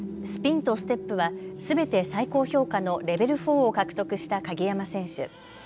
スピンとステップはすべて最高評価のレベル４を獲得した鍵山選手。